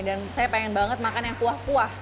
dan saya pengen banget makan yang puah puah